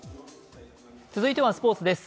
続いてはスポーツです。